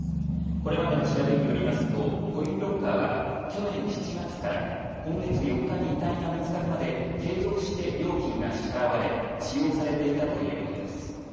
これまでの調べによりますとコインロッカーは去年７月から今月４日に遺体が見つかるまで継続して料金が支払われ、使用されていたということです。